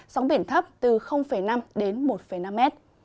sóng biển thấp từ năm m đến một năm m